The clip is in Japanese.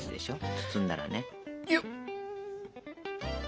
包んだらね。